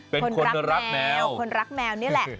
คนรักแมวคนรักแมวนี่แหละ